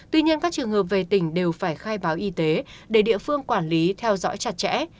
tuy nhiên các trường hợp về tỉnh đều phải khai báo y tế để địa phương quản lý theo dõi chặt chẽ